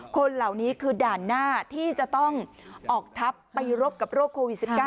คนเหล่านี้คือด่านหน้าที่จะต้องออกทัพไปรบกับโรคโควิด๑๙